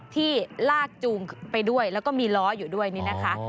ที่ลากจูงไปด้วยแล้วก็มีล้ออยู่ด้วยนี่นะคะ